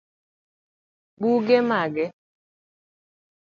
Buge mage?